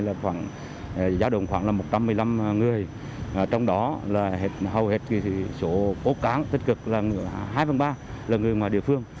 là khoảng giá đồng khoảng là một trăm một mươi năm người trong đó là hầu hết số bố cán tích cực là hai phần ba là người ngoài địa phương